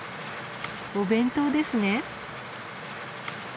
お弁当ですね。